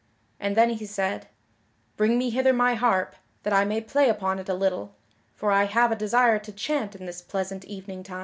And then he said: "Bring me hither my harp, that I may play upon it a little, for I have a desire to chant in this pleasant evening time."